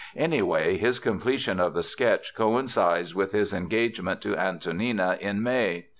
Anyway, his completion of the sketch coincides with his engagement to Antonina in May.